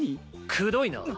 くどいな！！